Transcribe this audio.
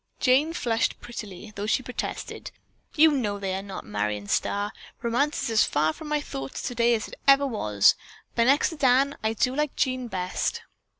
Jane flushed prettily, though she protested: "You know they are not, Marion Starr! Romance is as far from my thoughts today as it ever was, but next to Dan, I do like Jean best."